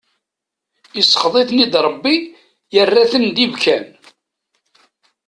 Isxeḍ-iten-id Rebbi, yerran-ten d ibkan.